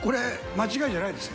間違いじゃないです。